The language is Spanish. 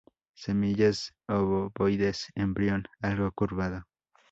Semillas obovoides; embrión algo curvado.